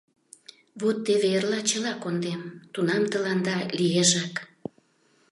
Вот теве эрла чыла кондем — тунам тыланда лиешак.